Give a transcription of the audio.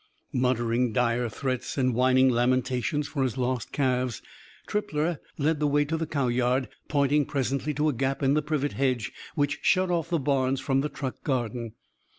Muttering dire threats and whining lamentations for his lost calves, Trippler led the way to the cow yard; pointing presently to a gap in the privet hedge which shut off the barns from the truck garden.